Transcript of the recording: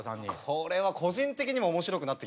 これは個人的にも面白くなってきましたね。